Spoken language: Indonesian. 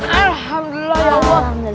alhamdulillah ya allah